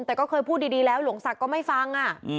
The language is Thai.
แต่ก็เคยพูดดีแล้วหลวงศักดิ์ก็ไม่ฟัง